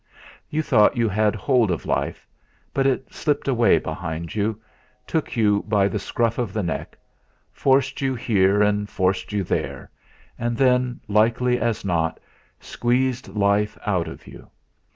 You thought you had hold of life, but it slipped away behind you, took you by the scruff of the neck, forced you here and forced you there, and then, likely as not, squeezed life out of you!